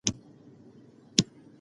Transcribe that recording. د موسسې رییس سګرټ څکوي.